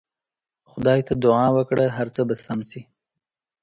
خدای ته دعا وکړه هر څه به سم سي.